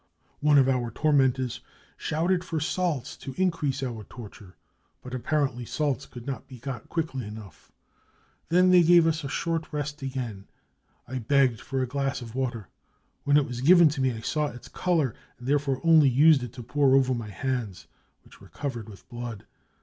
One of our tormen tors shouted for salts to increase our torture, but appar ently salts could not be got quickly enough. Then they gave us a short rest again. I begged for a glass of water. When it was given to me I saw its colour and therefore only used it to pour over my hands, which were covered with blood.